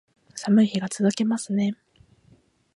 寒い日が続きますね